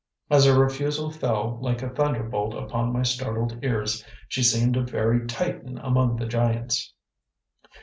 As her refusal fell like a thunderbolt upon my startled ears, she seemed a very Titan among the giants.